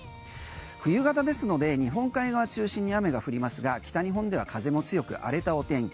冬型ですので日本海側中心に雨が降りますが北日本では風も強く荒れたお天気。